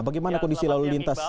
bagaimana kondisi lalu lintas